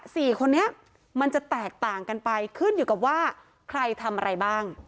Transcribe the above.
สี่คนนี้มันจะแตกต่างกันไปขึ้นอยู่กับว่าใครทำอะไรบ้าง